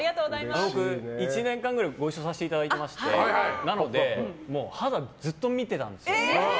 １年間ぐらいご一緒させていただいててなので、肌ずっと見てたんですよ。